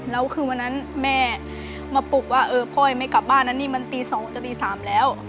แล้วคือวันนั้นแม่มาปลุกว่าเออพ่อยังไม่กลับบ้านนะนี่มันตี๒จะตี๓แล้ว